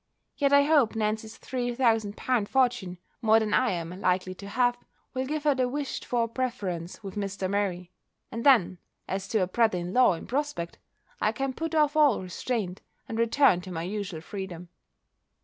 Yet I hope Nancy's three thousand pound fortune more than I am likely to have, will give her the wished for preference with Mr. Murray; and then, as to a brother in law, in prospect, I can put off all restraint, and return to my usual freedom.